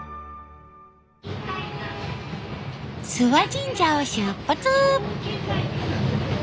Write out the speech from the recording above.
諏訪神社を出発！